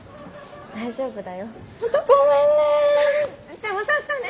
じゃあまた明日ね。